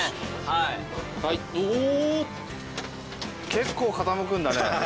結構傾くんだね。